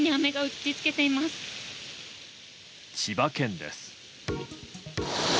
千葉県です。